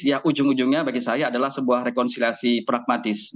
ya ujung ujungnya bagi saya adalah sebuah rekonsiliasi pragmatis